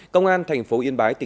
công an tp yên bái tìm hiểu